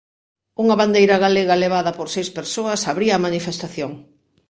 Unha bandeira galega levada por seis persoas abría a manifestación.